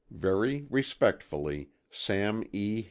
Very respectfully, SAM E.